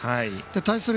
対する